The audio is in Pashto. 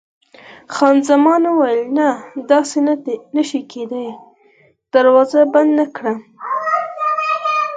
خان زمان وویل: نه، داسې نه شي کېدای، دروازه بنده نه کړم.